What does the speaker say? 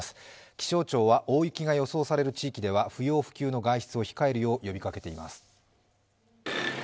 気象庁は、大雪が予想される地域では不要不急の外出を控えるよう呼びかけています。